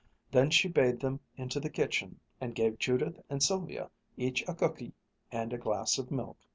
Then she bade them into the kitchen and gave Judith and Sylvia each a cookie and a glass of milk.